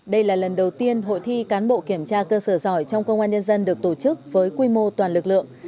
đây là lần đầu tiên hội thi cán bộ kiểm tra cơ sở giỏi trong công an nhân dân được tổ chức với quy mô toàn lực lượng